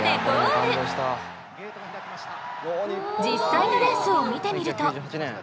実際のレースを見てみると。